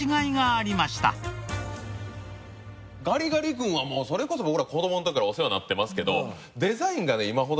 ガリガリ君はそれこそ僕ら子供の時からお世話になってますけど。